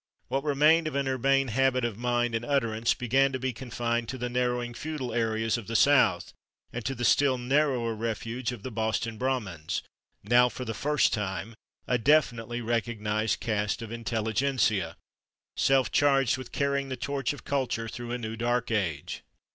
What remained of an urbane habit of mind and utterance began to be confined to the narrowing feudal areas of the south, and to the still narrower refuge of the Boston Brahmins, now, for the first time, a definitely recognized caste of /intelligentsia/, self charged with carrying the [Pg074] torch of culture through a new Dark Age.